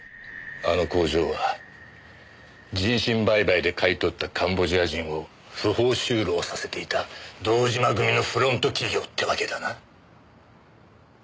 あの工場は人身売買で買い取ったカンボジア人を不法就労させていた堂島組のフロント企業ってわけだな。